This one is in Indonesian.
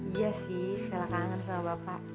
iya sih vela kangen sama bapak